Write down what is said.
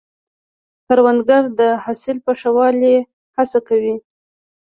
کروندګر د حاصل په ښه والي هڅې کوي